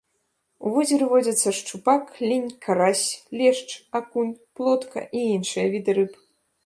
У возеры водзяцца шчупак, лінь, карась, лешч, акунь, плотка і іншыя віды рыб.